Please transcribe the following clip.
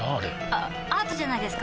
あアートじゃないですか？